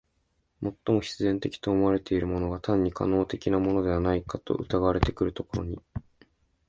最も必然的と思われているものが単に可能的なものではないかと疑われてくるところに、